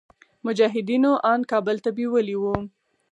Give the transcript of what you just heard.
مجاهدينو ان کابل ته بيولي وو.